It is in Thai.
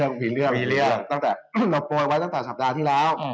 มีเรื่องตั้งแต่เราโปยไว้ตั้งแต่สัปดาห์ที่แล้ว